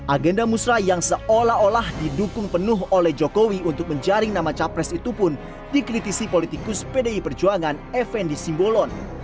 agenda musrah yang seolah olah didukung penuh oleh jokowi untuk menjaring nama capres itu pun dikritisi politikus pdi perjuangan fnd simbolon